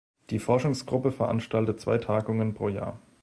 Die Forschungsgruppe veranstaltet zwei Tagungen pro Jahr.